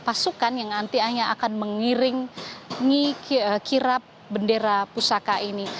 formasi dan juga pasukan yang nanti hanya akan mengiring kirap bendera pusaka ini